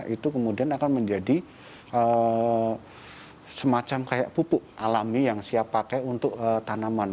itu kemudian akan menjadi semacam kayak pupuk alami yang siap pakai untuk tanaman